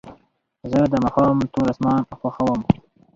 زه د ماښام تور اسمان خوښوم.